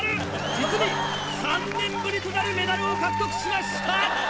実に３年ぶりとなるメダルを獲得しました！